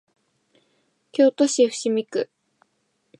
京都市伏見区